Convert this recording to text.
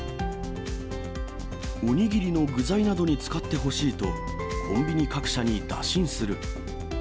おにぎりの具材などに使ってほしいと、コンビニ各社に打診する。